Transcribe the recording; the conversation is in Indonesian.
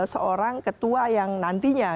seorang ketua yang nantinya